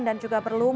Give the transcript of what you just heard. dan juga berjalan